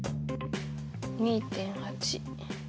２．８。